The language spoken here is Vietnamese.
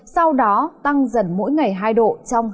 sau đó tăng dần mỗi ngày hai độ